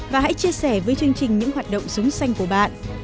và hãy chia sẻ với chương trình những hoạt động súng xanh của bạn